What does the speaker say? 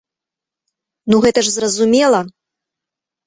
Ну гэта ж зразумела.